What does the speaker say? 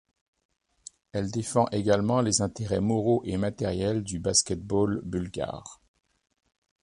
Elle défend également les intérêts moraux et matériels du basket-ball bulgare.